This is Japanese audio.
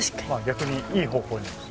逆にいい方向に。